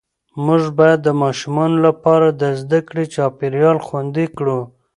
موږ باید د ماشومانو لپاره د زده کړې چاپېریال خوندي کړو